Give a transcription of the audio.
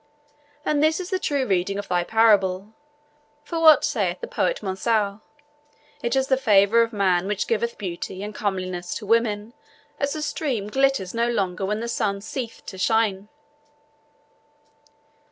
And this is the true reading of thy parable; for what sayeth the poet Mansour: 'It is the favour of man which giveth beauty and comeliness to woman, as the stream glitters no longer when the sun ceaseth to shine.'"